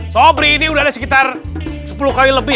sobri ini udah ada sekitar sepuluh kali lebih